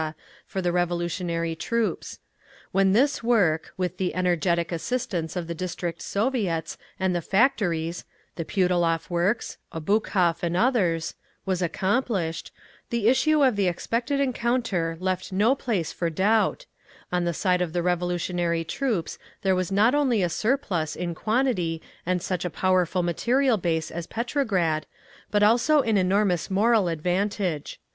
for the revolutionary troops. When this work—with the energetic assistance of the District Soviets and the factories (the Putilov Works, Obukhov and others)—was accomplished, the issue of the expected encounter left no place for doubt: on the side of the revolutionary troops there was not only a surplus in quantity and such a powerful material base as Petrograd, but also an enormous moral advantage.